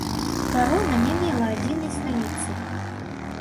Карона не мела адзінай сталіцы.